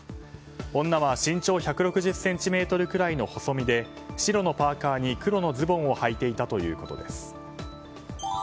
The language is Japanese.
女は身長１６０ｃｍくらいの細身で白のパーカに黒のズボンをはいていたということです。